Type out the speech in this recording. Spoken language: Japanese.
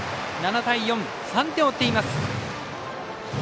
７対４３点を追っています。